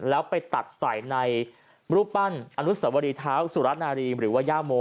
แล้วไปตัดใส่ในรูปปั้นอนุสวรีเท้าสุรนารีมหรือว่าย่าโม